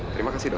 terima kasih dok